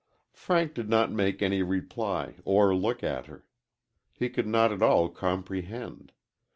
Frank did not make any reply, or look at her. He could not at all comprehend.